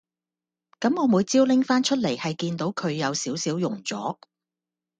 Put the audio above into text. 咁我每朝拎返出嚟係見到佢有少少溶咗